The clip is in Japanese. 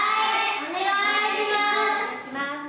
お願いします。